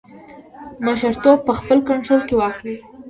مشرتوب په خپل کنټرول کې واخلي.